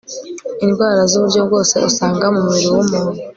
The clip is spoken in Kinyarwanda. Indwara zuburyo bwose usanga mu mubiri wumuntu